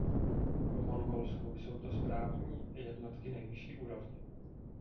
V Mongolsku jsou to správní jednotky nejvyšší úrovně.